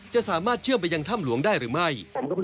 จะสามารถเชื่อมไปยังถ้ำหลวงได้หรือไม่